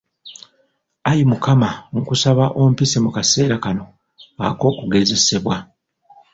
Ayi Mukama nkusaba ompise mu kaseera kano ak'okugezesebwa.